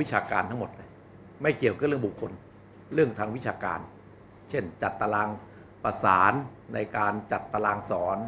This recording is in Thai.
วิชาการทั้งหมดเลยไม่เกี่ยวกับเรื่องบุคคลเรื่องทางวิชาการเช่นจัดตารางประสานในการจัดตารางสอน